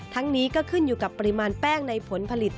ทั้งนี้ก็ขึ้นอยู่กับปริมาณแป้งในผลผลิต